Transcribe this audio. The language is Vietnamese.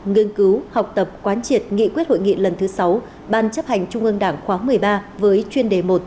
nghiên cứu học tập quán triệt nghị quyết hội nghị lần thứ sáu ban chấp hành trung ương đảng khóa một mươi ba với chuyên đề một